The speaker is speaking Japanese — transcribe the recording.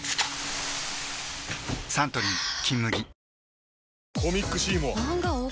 サントリー「金麦」